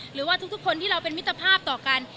หรือว่าทุกคนที่เราเป็นมิตรภาพต่อกัน